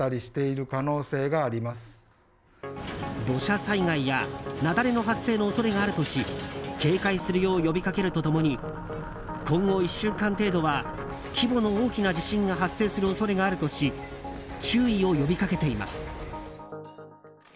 土砂災害や雪崩の発生の恐れがあるとし警戒するよう呼びかけると共に今後、１週間程度は規模の大きな地震が発生する恐れがあるとし注意を呼び掛けています。